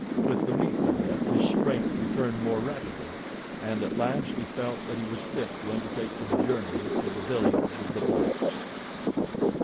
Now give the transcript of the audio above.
With the meat diet his strength returned more rapidly, and at last he felt that he was fit to undertake the journey to the village of the blacks.